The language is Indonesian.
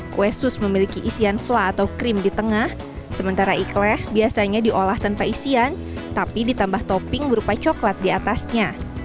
kue sus memiliki isian fla atau krim di tengah sementara ikhleh biasanya diolah tanpa isian tapi ditambah topping berupa coklat di atasnya